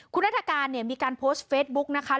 คุณรัฐกาลเนี่ยมีการโพสต์เฟซบุ๊กนะคะ